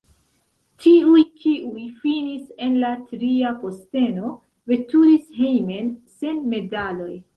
Tiuj, kiuj finis en la tria posteno, veturis hejmen sen medaloj.